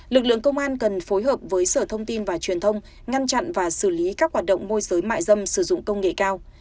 lực lượng công an cần phối hợp với sở thông tin và truyền thông ngăn chặn và xử lý các hoạt động môi giới mại dâm sử dụng công nghệ cao